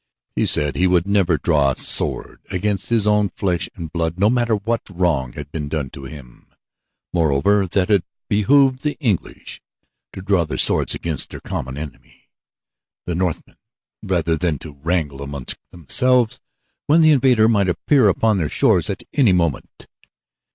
He said that he would never draw sword against his own flesh and blood no matter what wrong had been done to him moreover that it behooved the English to draw their swords against their common enemy, the Northmen, rather than to wrangle among themselves when the invader might appear upon their shores at any moment.